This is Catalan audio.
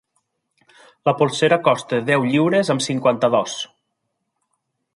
La polsera costa deu lliures amb cinquanta-dos